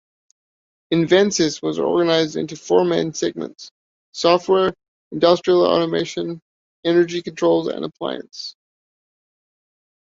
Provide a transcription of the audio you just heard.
Invensys was organised into four main segments: Software, Industrial Automation, Energy Controls and Appliance.